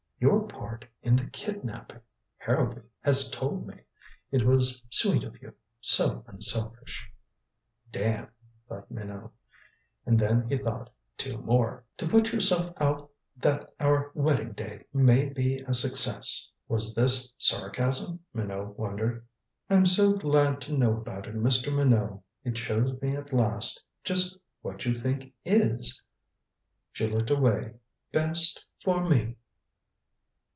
"Your part in the kidnaping. Harrowby has told me. It was sweet of you so unselfish." "Damn!" thought Minot. And then he thought two more. "To put yourself out that our wedding may be a success!" Was this sarcasm, Minot wondered. "I'm so glad to know about it, Mr. Minot. It shows me at last just what you think is" she looked away "best for me."